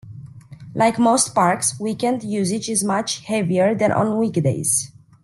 Like most parks, weekend usage is much heavier than on weekdays.